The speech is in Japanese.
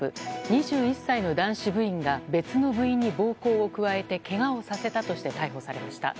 ２１歳の男子部員が別の部員に暴行を加えてけがをさせたとして逮捕されました。